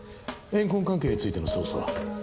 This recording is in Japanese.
怨恨関係についての捜査は？